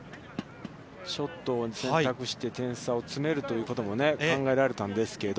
ちょっと選択して点差を詰めるということも考えられたんですけど。